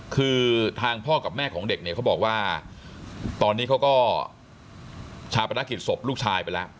คือทางพ่อกับแม่ของเด็กเนี่ยเขาบอกว่าตอนนี้เขาก็ชาปนกิจศพลูกชายไปแล้ว